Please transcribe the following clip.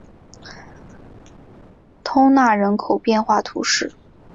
通讷人口变化图示